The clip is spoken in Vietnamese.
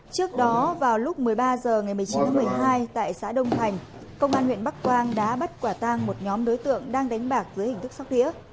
trước đó vào lúc một mươi ba h ngày một mươi chín tháng một mươi hai tại xã đông thành công an huyện bắc quang đã bắt quả tang một nhóm đối tượng đang đánh bạc dưới hình thức sóc đĩa